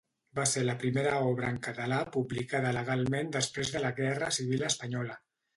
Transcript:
Va ser la primera obra en català publicada legalment després de la Guerra Civil Espanyola.